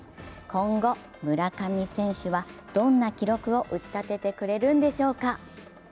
今後、村上選手はどんな記録を打ち立ててくれるんでしょうか。